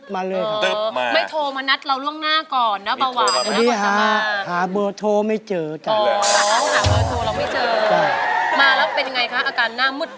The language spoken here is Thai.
มาแล้วเป็นยังไงคะอาการหน้ามึดเหรอ